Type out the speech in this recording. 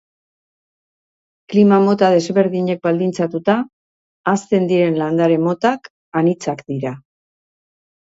Klima mota desberdinek baldintzatuta, hazten diren landare-motak anitzak dira.